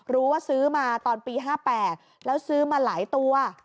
รู้ว่าซื้อมาตอนปี๕๘แล้วซื้อมาหลายตัว